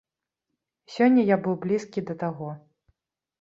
Сёння я быў блізкі да таго.